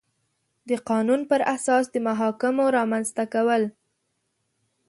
د قانون پر اساس د محاکمو رامنځ ته کول